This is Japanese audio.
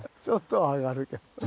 ちょっとは上がるけど。